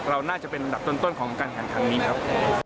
เราน่าจะเป็นอันดับต้นของการแข่งขันครั้งนี้ครับ